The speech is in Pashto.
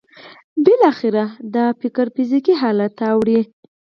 بالاخره دا فکر فزیکي حالت ته اوړي